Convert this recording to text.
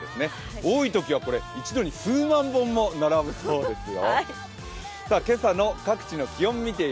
多いときは一度に数万本も並ぶそうですよ。